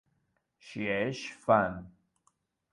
Ж Г Ж П.